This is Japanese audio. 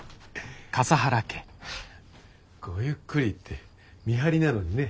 ごゆっくりって見張りなのにね。